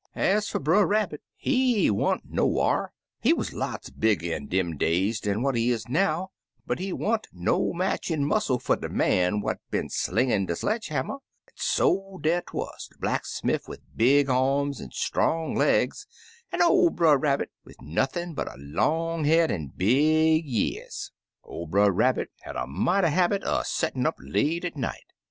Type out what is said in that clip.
"Ez fer Brer Rabbity he wan't nowhar. He wuz lots bigger in dem days dan what he is now, but he wan't no match in muscle fer de man what been slingin' de sledge hammer — an' so dar 'twuz, de blacksmiff wid big amis an' strong legs, an' ol' Brer Rabbit, wid nothin' but a long head an' big y'ears, 01' Brer Rabbit had a mighty habit er settin' up late at night.